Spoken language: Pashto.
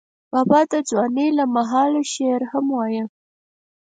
بابا د ځوانۍ له مهاله شعر هم وایه.